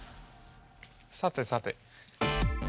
さてさて。